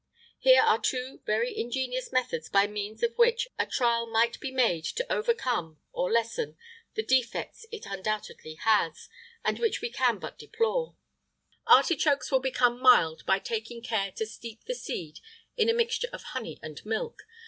Here are two very ingenious methods by means of which a trial might be made to overcome, or lessen, the defects it undoubtedly has, and which we can but deplore: Artichokes will become mild by taking care to steep the seed in a mixture of honey and milk.